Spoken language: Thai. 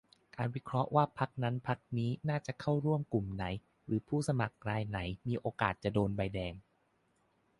การวิเคราะห์ว่า พรรคนั้นพรรคนี้น่าจะเข้าร่วมกลุ่มไหน หรือผู้สมัครรายไหนมีโอกาสจะโดนใบแดง